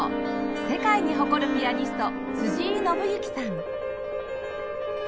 世界に誇るピアニスト辻井伸行さん